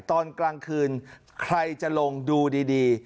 ตอนกลางคืนใครจะลงดูดี